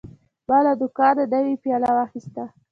ما له دوکانه نوی پیاله واخیسته.